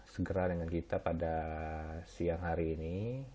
segera dengan kita pada siang hari ini